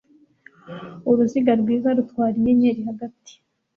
Uruziga rwiza rutwara inyenyeri hagati